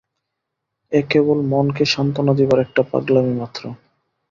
এ কেবল মনকে সান্ত্বনা দিবার একটা পাগলামি মাত্র।